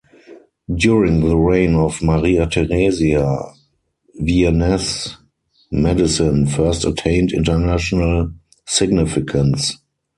During the reign of Maria Theresia, Viennese medicine first attained international significance.